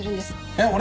えっ俺？